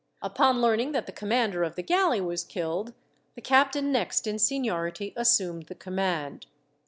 Upon learning that the commander of the galley was killed, the captain next in seniority assumed the command.